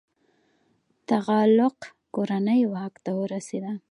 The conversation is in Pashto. تغلق کورنۍ واک ته ورسیده.